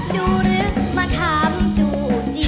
ดูหรือมาทำจู่จี